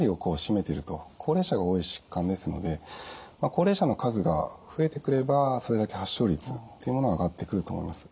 高齢者が多い疾患ですので高齢者の数が増えてくればそれだけ発症率っていうものは上がってくると思います。